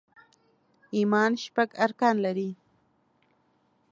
ايمان شپږ ارکان لري